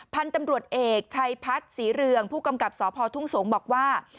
พันธุ์ตำรวจเอกชัยพัฒน์ศรีเรืองผู้กำกับสพทุ่งสงศ์บอกว่า